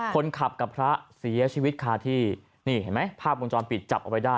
คนขับกับพระเสียชีวิตคาที่นี่เห็นไหมภาพวงจรปิดจับเอาไว้ได้